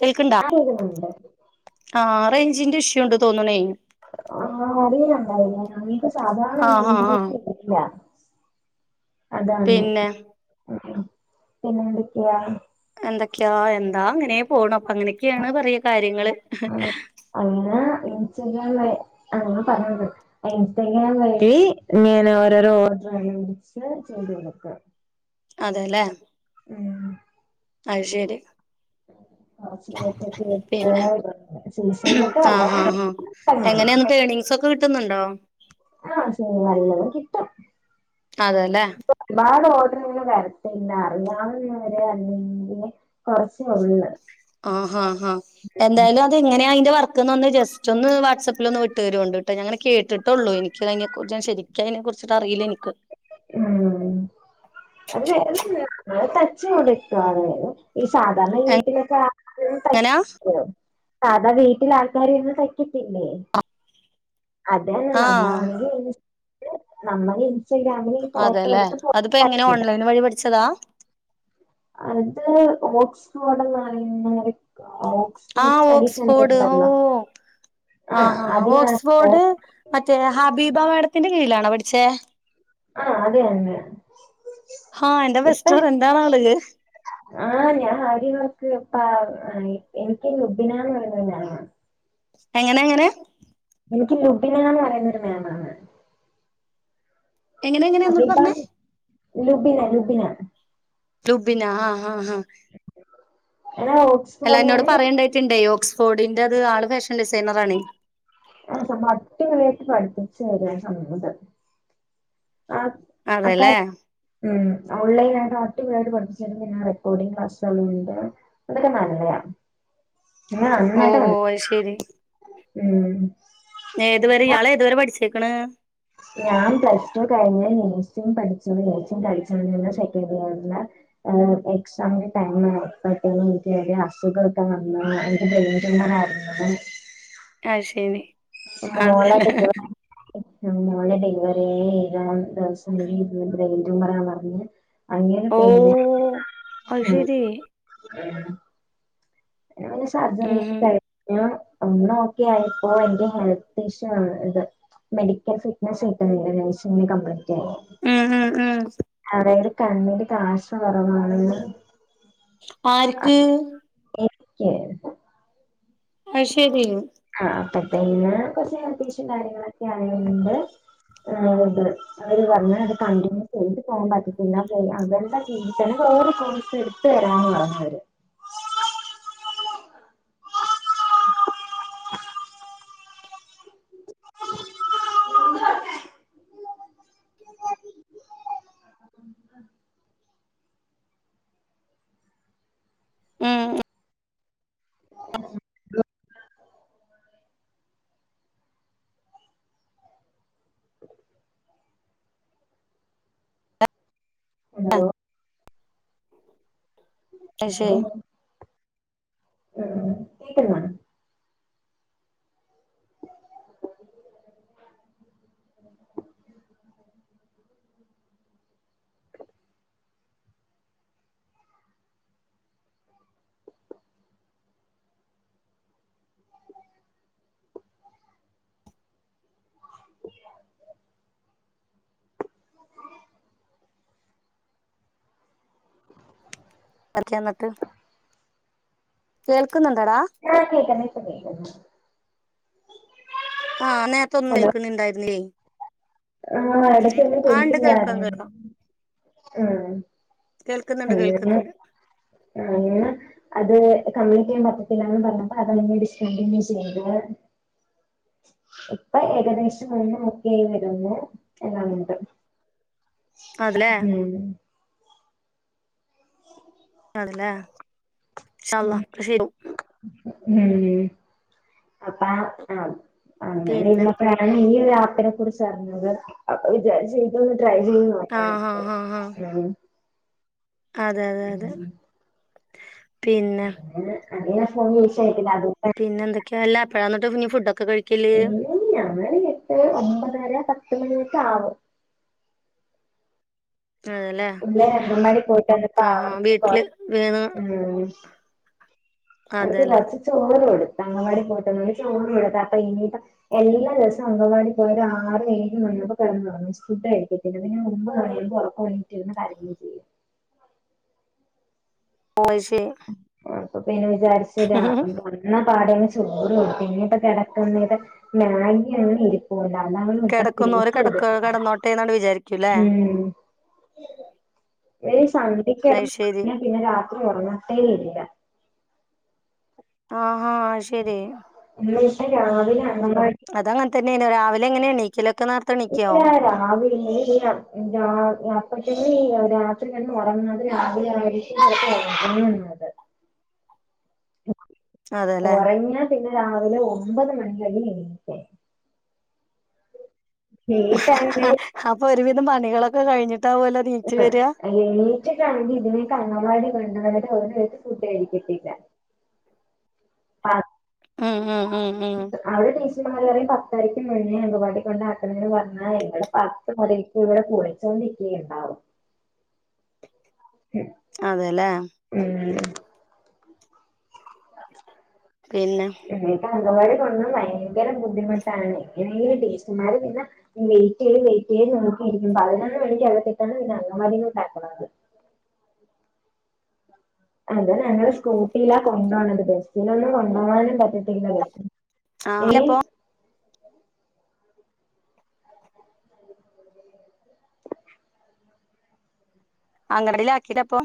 കേൾക്കണ്ട. കേൾക്കുന്നുണ്ട്. ആഹ് റേഞ്ചിന്റെ ഇഷ്യുണ്ടന്ന് തോന്നണേ. ആഹ് അറിയിലന്തായാലും നമക്ക് സാധാരണ ആഹ് ആഹ് ആഹ് റെയ്ഞ്ജ്ജ് ഇഷ്യുല്യ. അതാണ് പിന്നെ പിന്നെ എന്തൊക്കെയാ എന്തൊക്കെയാ എന്തൊ അങ്ങനെ പോണൂ അങ്ങനെയൊക്കെയാണ് പറയ കാര്യങ്ങള് ഉം. അങ്ങനെ ഇനിച്ചെഗ്രാമ് അങ്ങനെ പറഞ്ഞുകൊട് ഇൻസ്ഗ്രാം വഴി ഇങ്ങനെ ഓരോരോഓഡർ ചെയ്തുകൊടുക്കും അതെല്ലേ ഉം അത് ശരി പിന്നെ [inaudible] [inaudible] പ്പൊ കിട്ടുന്നുണ്ടോ ആഹ് ചെറുതായി വല്ലോം കിട്ടും അതെല്ലേ പ്പ ഒരുപാട് ഓഡറിങ്ങനെ വരത്തില്ല അറിയാവൂന്നാരോ അഅല്ലെങ്കിൽ കുറച്ചെ ഉള്ള് ഓഹോഹോ എന്തായാലും അത് എങ്ങനെ ഐന്റെ വർക്ക്ന്ന് ജസ്റ്റ് ഒന്ന് വാട്സപ്പിൽ ഒന്ന് വിട്ടുരോണ്ട് ഞനെ കേട്ടിട്ടുള്ളൂ എനിക്ക അതിനെ കുറിച്ച് ഞാൻ ശരിക്കു നിക്കു അതിനെ കുറിച്ചിട്ട അറിയില്ല എനിക്ക് ഉം അത് വേറൊന്നുല തച്ച് കൊടുക്കാതെ ഈ സാധാരണ വീട്ടിലൊക്കെ ഉം എങ്ങനാ അഥാ വീട്ടിൽ ആൾക്കാരിരിന്ന് തയ്ക്കത്തില്ലേ അതന്നെ ആഹ് നമ്മളാണെ ഇൻസറ്റയിൽ നമ്മള് ഇൻസ് അതേല്ലെ അതിപ്പോ എങ്ങനാ ഓൺലൈൻ വഴി പഠിച്ചതാ അത് ഓക്സ്ഫോഡന്ന് പറയുന്ന ഒരു ഓക്സ് ആഹ് ഓക്സ്ഫോർഡ് ഓ ആഹ് ഹാ ഓക്സ്ഫോർഡ് മറ്റേ ഹബീബ മേഡത്തിന്റെ കീഴിലാണോ പഠിച്ചേ ആഹ് അതെന്ന ഹാ എന്റെ ബെസ്റ്റ് ഫ്രണ്ടാണവള് ആ ഞാനാദ്യം കൊറച്ച് പ എനിക്ക് ലുബിനാന്ന് പറയുന്ന ഒരു മാമാ എങ്ങനെ എങ്ങനെ എനിക്ക് ലുബിനാന്ന് പറയുന്ന ഒരു മാമാണ് എങ്ങനെ എങ്ങനെ ഒന്നൂടെ ഹബിബ പറഞ്ഞേ ലുബിന ലുബിന ലുബിന ആഹ് ഹ ഹ എടാ ഓക്സ് അല്ല എന്നോട് പറയേണ്ടായിട്ടുണ്ടേ ഓക്സ്ഫോഡിന്റെത് ആള് ഫാഷൻ ഡിസൈനറാണെ ആ സംഭ അട്ടിപൊളിയായിട്ട് പഠിപ്പിച്ചു തരും ആ സമയൊണ്ട് ആ അതെല്ലേ അക്കാര് ഉം ഓൺലൈനായിട്ട് അട്ടിപൊളിയായിട്ട് പഠിപ്പിച്ചിട്ടിണ്ട് പിന്നെ റെക്കോർഡിംഗ് ക്ലാസ്സുകളുണ്ട് അതൊക്കെ നന്മയാ ഇങ്ങെ നന്നായിട്ട് ഓഹ് ഓഹ് പഠിപ്പി അത് ശരി ഉം ഏതുവരെ ഇയാളേതുവരെ പഠിച്ചേക്കണ് ഞാൻ പ്ലസ് ടു കഴിഞ്ഞ് നേഴസിങ് പഠിച്ച് നേഴ്സിങ് പഠിച്ചോണ്ടിരുന്ന സെക്കൻഡ് ഇയറില അ എക്സാമിന്റെ ടൈം ആയപ്പോഴ്ത്തേനും എനിക്ക് ചെറിയ അസുഖൊക്കെ വന്ന് എനിക്ക് ബ്രെയിൻ ട്യൂമറായിരുന്നു ആഹ് അയ്ശെരി മോളടിക്കും അങ്ങനെ ഞ മോളടെ ഡെലിവറീ ഏഴാം ദിവസം ബ്രെയിൻ ട്യൂമറാണെന്നറിഞ്ഞ അങ്ങനെ തേഞ ഓഹ് അത് ശരി ഞാന് ഉം സർജറിയൊക്കെ കഴിഞ്ഞ് ഞാൻ ഒന്ന് ഓക്കെയായപ്പോ എന്റെ ഹെൽത്ത് ഇഷ്യൂ ആണ് ഇത് മെഡിക്കൽ ഫിറ്റ്നസ് കിട്ടുന്നുണ്ട് നേഴ്സിംഗന് കംപ്ലീറ്റ് ആയി ഉം ഉം ഉം അതായിത് കണ്ണിര് കാശ കൊറവാണെന്ന് ആർക്ക് എനിക്ക് ആയ്ശെരി ആ അപ്പത്തേന്ന് കൊർച്ച് കണ്ടീഷൻ കാര്യങ്ങളൊക്കെ ആണേണ്ട് ആ ഇത് അവര് പറഞ്ഞ് അത് കണ്ടിന്യൂ ചെയ്ത് പോവാൻ പറ്റത്തില്ല പിന്ന അവര്ടെ ജീവി തന്നെ തെരാന്നു പറഞ്ഞത് ഉം ഹലോ അയ്ശെരി ഉം കേക്ക ക്കവേണ പഠിക്കാ എന്നിട്ട് കേൾക്കുന്നുണ്ടോടാ ആ കേക്ക്ന്ന് ഇപ്പ കെക്ക്ന്ന് ആന്നെ ഹലോ ആ എടക്കൊന്നും ആ ഉണ്ട് കേൾക്കാം കേട്ടില്ലാര്ന്ന് കേൾക്കാം ആ കേൾക്കുന്നുണ്ട് അങ്ങെ കേൾക്കുന്നുണ്ട് അങ്ങെ അത് കമ്മ്യൂക്ക് ചെയ്യാൻ പറ്റത്തില്ലന്ന് പറഞ്ഞപ്പോ അതാണ് ഡിസ്കണ്ടിന്യൂ ചെയ്ത് ഇപ്പൊ ഏകദേശം ഒന്ന് നോക്ക വരുന്നു എല്ലാംണ്ട് അതല്ലേ ഹം അതല്ലേ ഇൻഷാ അള്ളാ ഒക്കെ ശെരി ആകും ഉ അപ്പ ആ പിന്നെ അങ്ങന ഞൻ ഈ ആപ്പിനെ കുറിച്ച്റിഞ്ഞത് അപ്പൊ വിചാരിച്ചട്ടന്ന് ട്രൈ ചെയ്യുന്നു ആഹ് ആഹ് ആഹ് ആഹ് ഉം അതെ അതെ അതെ പിന്നെ അങ്ങനെ ഫോൺ വിച്ചട്ടില്ല അത പിന്നെന്തക്കെയ അപ്പഴന്നിട്ട് ഫുഡൊക്കെ കഴും എ ഞങ്ങാന് എട്ട് ഒമ്പതര പത്ത് മണിക്ക ആവും അതേല്ലേ ഉള്ളെ ഹഗമാ പോയിട്ടന്നപ്പ ആഹ് ആഹ് അവർക്ക് കോ വീട്ടില് വീണ് ഉം അവിക്ക് അതെല്ലേ കുറച്ച് ചോറ് കൊടുത്ത അങ്ങാടി പോയിട്ടന്നണ്ട് ചോറ് കൊടുത്ത അപ്പൊ ഇീട്ട എല്ലാ ദിവസവും അംഗവാടി പോയ ഒരു ആറ് ഏഴ് മുന്നപ്പോ കിറന്ന ഫുഡ് കഴ ദിനവിന് മുമ്പ് പറയുമ്പോൾ ഉറക്ക വേണ്ടിട്ടിര കാര്യം ചെയ്യാം പോ ശേ പ്പൊ പിന്നെ വിചാരിച്ചരാ എ എന്നാ പാടെ ചൂട് കൊടു ഇനിപ്പോ കിടക്കന്നത് മാഗ ഒ കിടക്കുന്നോര് കിടക്ക കിടന്നോട്ടെ എന്നാണ് വിചാരിക്കൂല്ലേ ഇ [unintelligible] [inaudible] ഇ സന്ത്യക്ക് അത് കിടന്ന് ശരി ഉറങ്ങിയാ പിന്നെ രാത്രി ഉറങ്ങട്ടേ ഇരില്ല ആഹ ശരി എന്ന പക്ഷം രാവിലെ അണ അത അങ്ങന തന്നെയ രാവിലെ എങ്ങനെ എണീക്കലൊക്കെ ഇ എണീക്കോ [unintelligible] രാവിലെ [unintelligible] അപ്പത്തന്നെ ഈ രാത്രി ക ഉറങ്ങാതി രാവിലെ ആ ആ ഉ അതെ അതെല്ലേ ഉറങ്ങ പിന്നെ രാവിലെ ഒമ്പത് മണില്ല എക്കേ എണീക്കാൻ ലേറ്റ് ആയി അപ്പൊ ഒരുവിധം പണികളൊക്കെ കഴിഞ്ഞിട്ടാ പോലെ നീച്ചു വരിക എണേറ്റൊക്കെ ആണെങ്കിൽ ഇതിനേക്ക് അങ്ങവാടി വണ്ടിട്ട് അവന വട്ട ഫുഡ് കടിക്കത്തില്ല ആ ഉം ഉം ഉം ഉം അവടെ ടീച്ചി മലറിയയും പത്തരയ്ക്ക് മുന്നേ അമ്പവാടി കൊണ്ട ആക്കണന്ന് പറഞ്ഞാ ഞടെ തിപ്പ ഇവിടെ കുളിച്ചുകൊണ്ടിരിക്കുകുണ്ടാവും ഉം അതെല്ലേ ഉം [inaudible] പിന്നെ എനിക്ക് അംഗവാടി കൊന്നണം ഭയങ്കര ബുദ്ധിമുട്ടാണ് ഇനെഈ ടീച്ചുമാര് പിന്നെ വെയിറ്റ് ചെയ്ത് വെയിറ്റ് ചെയ്ത് നോക്കിയിരിക്കും പതിനൊന്ന് മണിക്ക് അകത്തിട്ടാണ് പിന്നെ അമാതി നിന്ന് കക്കത് അതെ ഞങ്ങള്ൾ സ്കൂട്ടിയിലാ കൊണ്ട പോണത് ബസ്സിലൊന്നും കൊണ്ടപോകാനും പറ്റത്തിില്ലല്ലോ ആ ഇല്ലപ്പോ അങ്ങടയില ആക്കിട്ട് അപ്പൊ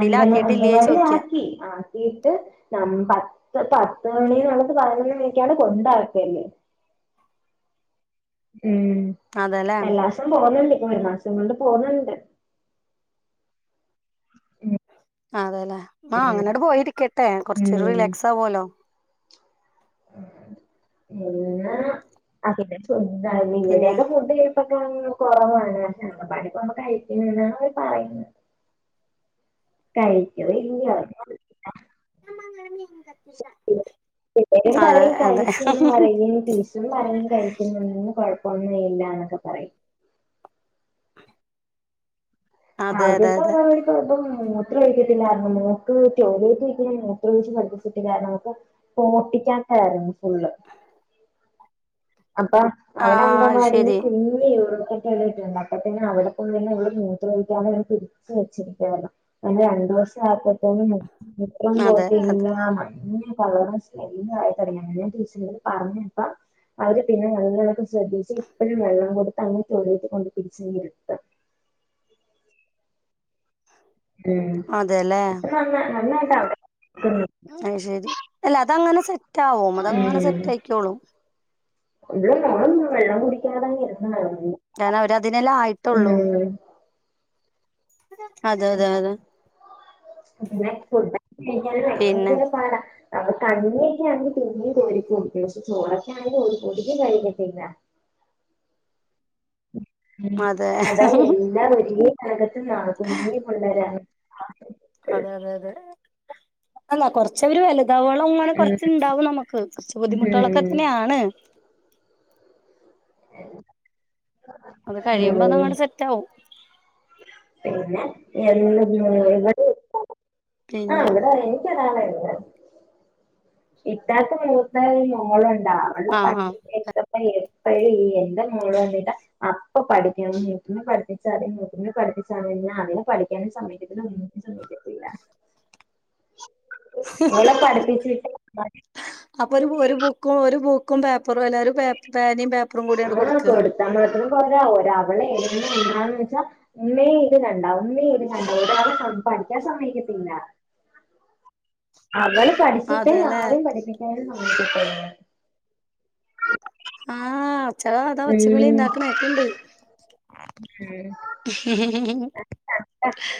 അന അംഗൻവാടി ചോദിക്ക ആക്കി ആ ട്ട് ന പത്ത് പത്ത് മണിള്ളത് പതിനൊന്ന് മണിക്കാണ് കൊണ്ടക്കല്ലേ ഉം അതെല്ലേ എല്ലാസം പോുന്നുണ്ട് ഇപ്പ ഒരു മാസം കൊണ്ട് പോുന്നുണ്ട് ഉം അതെല്ലെ ആഹ് അങ്ങനോട്ടട് പോയിരിക്കട്ടെ കൊറച്ചൊരു ഉം റിലാക്സാ പോലോ പിന്നാ അ പിന്നെ പിന്നെ ഇവിടെൊക്കെ ഫുഡ് കുറവാണ് ശങ്ങപ്പാടിപ്പ നമ്മ കഴിക്കുന്ന എന്നാണ് അവര് പറയുന്നത് കഴിഞ്ഞു ഇല്ല [inaudible] ശ [unintelligible] അതെ അതെ ഒന്നേ ഇല്ല എന്നൊക്കെ പറയും ആ അതെ അതെ അതപ്പോ അതെ മൂത്രഴിക്കത്തില്ല ന്നറിഞ്ഞു മോൾക്ക് ടോയ്ലറ്റ് ഒഴിക്കുന്ന പഠിപ്പിച്ചിട്ടില്ല പൊട്ടിക്കാക്കായിരുന്നു ഫുള്ള് അപ്പ ആ അവിടെ അങ്കമാടിന് ശരി കുഞ്ഞ കുഞ് യൂറോപ്യൻ ടോയിലറ്റുണ്ട് അപ്പത്തന്നെ അവിടെ പോയി ഇവൾ മൂത്രഴിക്കാനെ പിടിച്ച് വെച്ചിരിക്കാ വെച്ചിരിക്കുകല്ലണം അല്ലെ രണ്ടു ദിവസം ആയപ്പോ തന്നെ ! ! അതെ അതെ അവര് പിന്നെ നള്ളങ്ങളൊക്കെ ശ്രദ്ധിച്ച് ഇപ്പഴും വെള്ളം കൊടുത്ത് അങ്ങട്ടണയിട്ട് കൊണ്ട് പിരിച്ചെങ്ങി എടുത്താം ഏ അതെല്ലേ ഇപ്പ നന്ന നന്നായിട്ടാ അ ശരി അല്ല അതങ്ങനെ സെറ്റ് ആവും അതങ്ങനെ സെറ്റ് ആയിക്കോളും ഇ നമ്മള് വെള്ളം കുടിക്കാതായി ഇരക്കുന്ന കാരണം അവര് അതിനെല്ലാം ആയിട്ടുള്ളൂ അതെ അതെ അതെ പിന്നെ ഫുഡ കഴിക്കാന് പിന്നെ ഭയങ്കര പാട അവൾ കഞ്ഞിയൊക്കെ ആണെങ്കിൽ പിന്നിം കുടിക്കും പക്ഷെ ചോറൊക്കെ ആണെങ്കിൽ ഒരു പൊടിക്ക് കഴിത്തില്ല ഉ അതെ അതാ എല്ലാം വീട്ടിലും [unintelligible] കുഞ്ഞി പിള്ളരാണ് അതെ അതെ അതെ അല്ല കൊറച്ച് പക്ഷെ അവര് വലുതാവളം ഇങ്ങനെ ഉം കുറച്ചുണ്ടാവും നമുക്ക് കുറച്ച് ബുദ്ധിമുട്ടുകളൊക്കെ തന്നെയാണ് ഉ അത് കഴിയുമ്പോ അങ്ങട്ട് സെറ്റ് ആകും പിന്നെ എ ഇവിടെ ആ പിന്നെ ഇവിടെ എനിക്ക ഒരാളുള്ളൂ ഇറ്റാത്തെ മൂത്ത മോളുണ്ട അവടെ ആഹ് പണി ആഹ് എപ്പള്ളി എൻ്റെ മോള് [unintelligible] അപ്പൊ പഠിക്കണം നൂക്കന്ന് പഠിപ്പിച്ചാതി നൂക്ക പഠിപ്പിച്ചാ അതിനെ പഠിക്ക സമയത്തി [inaudible] ഇവിടെ പഠിപ്പിച്ചിട്ട അപ്പൊ ഒരു ഒരു ബുക്കും ഒരു ബുക്കും പേപ്പറും എല്ലും പേനയും പേപ്പറും കൂടി അങ്ങട് കൊടുക്കുക പത്താമുളത്തിരാ ഒ അവളെ എ എന്താന്ന് വെച്ചാൽ ഉമ്മി ഇത് കണ്ട ഉമ്മി ഇത് കണ്ട ഇതാണ് പഠിക്കാൻ സമ്മതിക്കത്തില്ല അവള് പഠിച്ചിട്ടേ അതെല്ലേ ആരെയും പഠിപ്പിക്കാനും സമ്മതിക്കത്തോള് ആഹ്ച്ച അതാ ഉം ഒച്ചവിളിണ്ടാക്കണത് കേൾക്കേണ്ട് മ്മ്ഹ്. ഉം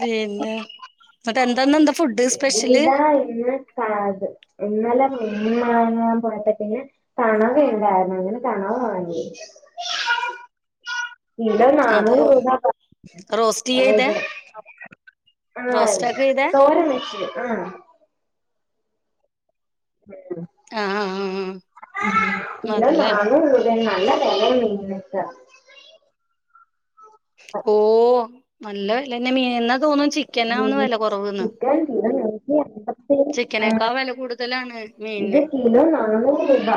പിന്നെ എന്നിട്ട് ഇന്ന് എന്താന്ന എന്താ ഫുഡ് സ്പെഷ്യല്? ഇതാ ഇന്ന് ക്രാബ് ഇന്നലെ മീൻ മാങാൻ പോയപ്പോ പിന്നെ കണവണ്ടായിരുന്നു അങ്ങനെ കണവ വാങ്ങി കിലോ നാനൂറ് അതെയോ രൂപ റോസ്റ്റ് ചെയ്തേ [inaudible] ആഹ് റോസ്റ്റ് ഒക്കെ ചെയ്തേ തോരൻ വച്ച് ആ ആഹ് ആഹ് ആഹ് പിന്നെ അതെല്ലേ നാനൂറ് നല്ല വെല മീന്ക്കെ ഓ നല്ല വെല തന്നെ മീനിന് എന്നാ തോന്നും ചിക്കനന്ന് ഉം വില കുറവന്ന് ചിക്കൻ കിലോ നൂറ്റി അമ്പത്തി ആഹ് ചിക്കനേക്കാ വില കൂടുതലാണ് മീൻ ഇത് കിലോ നാനൂറ് രൂപ